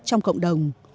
trong cộng đồng